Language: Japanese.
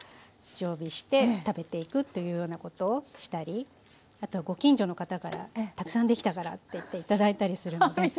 常備して食べていくというようなことをしたりあとはご近所の方からたくさん出来たからっていって頂いたりするので。